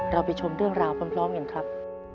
เราไปชมเรื่องราวพร้อมเห็นครับ